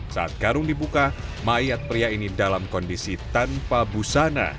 saat karung dibuka mayat pria ini dalam kondisi tanpa busana